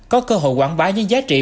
có cơ hội quảng bá những giá trị